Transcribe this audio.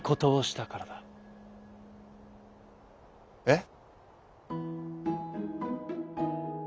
「えっ」。